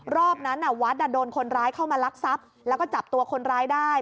รอบนั้นวัดโดนคนร้ายเข้ามาลักทรัพย์แล้วก็จับตัวคนร้ายได้